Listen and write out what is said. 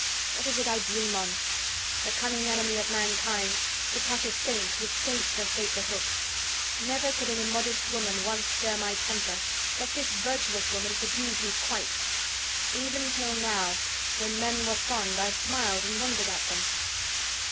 What is it I dream on? The cunning enemy of mankind, to catch a saint, with saints does bait the hook. Never could an immodest woman once stir my temper, but this virtuous woman subdues me quite. Even till now, when men were fond, I smiled and wondered at them."